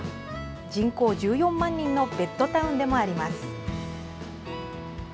人口１４万人のベッドタウンでもあります。